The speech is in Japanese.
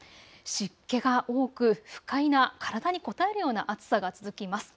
湿気が多く不快な、体にこたえるような暑さが続きます。